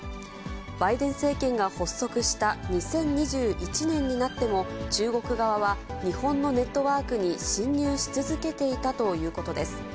バイデン政権が発足した２０２１年になっても、中国側は、日本のネットワークに侵入し続けていたということです。